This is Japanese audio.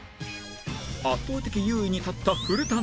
圧倒的優位に立った古田ナイン